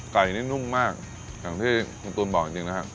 ไก่นี่นุ่มมากอย่างที่คุณตูนบอกจริงนะครับ